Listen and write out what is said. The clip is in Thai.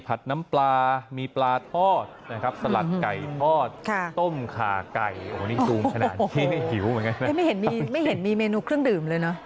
ไอ้วันนี้ตูงขนาดนี้หิวเหมือนงั้นไม่เห็นไม่เห็นมีเมนูเครื่องดื่มเลยเนาะ